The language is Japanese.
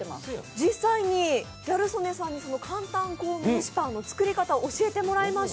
実際にギャル曽根さんに簡単コーン蒸しパンの作り方を教えてもらいます。